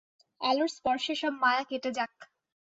আলোর স্পর্শে সব মায়া কেটে যাক।